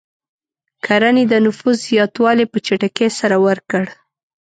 کرنې د نفوس زیاتوالی په چټکۍ سره ورکړ.